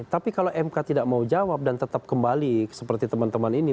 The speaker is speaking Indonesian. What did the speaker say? tapi kalau mk tidak mau jawab dan tetap kembali seperti teman teman ini